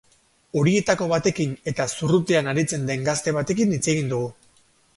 Horietako batekin eta zurrutean aritzen den gazte batekin hitz egin dugu.